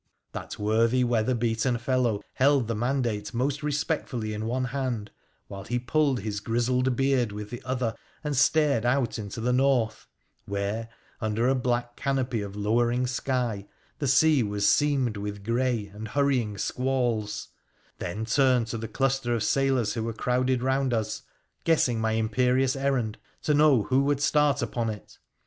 That worthy, weather beaten fellow held the mandate most respectfully in one hand, while he pulled his grizzled beard with the other and stared out into the north, where, under a black canopy of lowering sky, the sea was seamed with grey and hurrying squalls, then turned to the cluster of sailors who were crowded round us — guessing my imperious errand — to know who would start upon it.